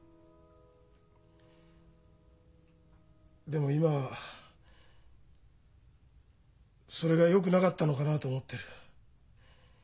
でも今はそれがよくなかったのかなと思って。